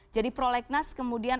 jadi prolegnas kemudian